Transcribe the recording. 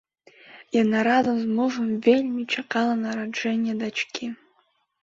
Яна разам з мужам вельмі чакала нараджэння дачкі.